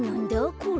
これ。